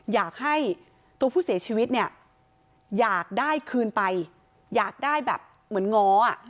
อยากให้ตัวผู้เสียชีวิตเนี่ยอยากได้คืนไปอยากได้แบบเหมือนง้อ